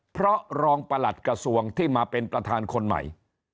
เพราะรองประหลัดกระทรวงที่มาเป็นประธานคนใหม่